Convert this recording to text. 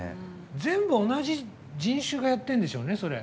全部同じ人種がやってるんでしょうね、それ。